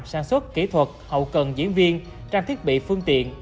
sản xuất kỹ thuật hậu cần diễn viên trang thiết bị phương tiện